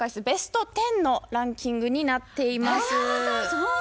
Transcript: ベスト１０のランキングになっています。